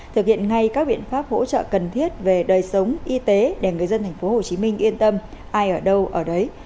thực hiện ngay các biện pháp hỗ trợ cần thiết về đời sống y tế để người dân tp hcm yên tâm ai ở đâu ở đấy